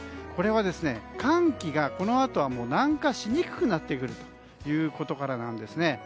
これは寒気がこのあとは南下しにくくなってくるということからなんです。